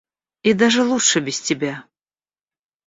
И даже лучше без тебя.